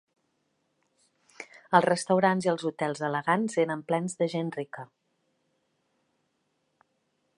Els restaurants i els hotels elegants eren plens de gent rica